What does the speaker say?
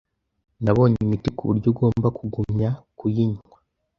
Nabonye imiti kuburyo ugomba kugumya kuyinywa